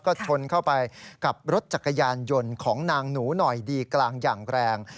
ก็ชนเข้าไปกับรถจักรยานยนต์ของนางหนูหน่อยดีกลางอย่างแรง